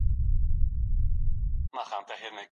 بدلون منل پرمختګ دی.